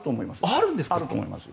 あると思います。